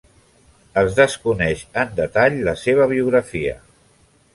Es desconeix en detall la seva biografia.